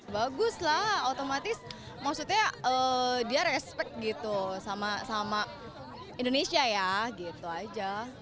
bagus lah otomatis maksudnya dia respect gitu sama indonesia ya gitu aja